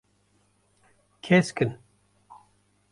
Kesk in.